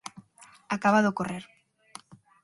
Acaba de ocorrer.